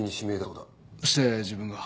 どうして自分が？